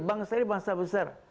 bangsa ini bangsa besar